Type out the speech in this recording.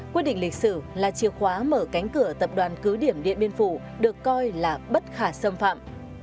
quyết định lịch sử là chìa khóa mở cánh cửa tập đoàn cứ điểm điện biên phủ được coi là bất khả xâm phạm